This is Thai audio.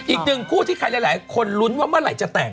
อีกหนึ่งคู่ที่ใครหลายคนลุ้นว่าเมื่อไหร่จะแต่ง